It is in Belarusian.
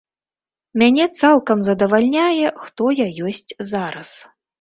Мяне цалкам задавальняе, хто я ёсць зараз.